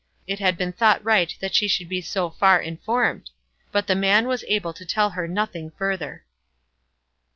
It had been thought right that she should be so far informed; but the man was able to tell her nothing further.